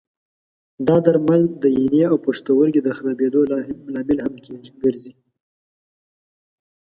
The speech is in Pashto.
دا درمل د ینې او پښتورګي د خرابېدو لامل هم ګرځي.